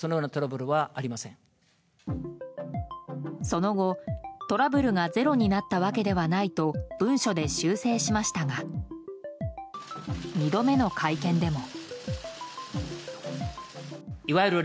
その後、トラブルがゼロになったわけではないと文書で修正しましたが２度目の会見でも。